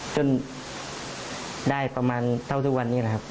จนได้ประมาณเท่าทุกวันนี้นะครับ